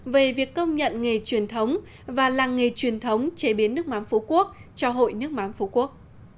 về việc công nhận nghề truyền thống và làng nghề truyền thống chế biến nước mắm phú quốc cho hội nước mắm phú quốc